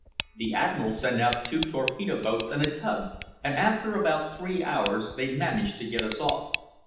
The Admiral sent out two torpedo boats and a tug, and after about three hours they managed to get us off."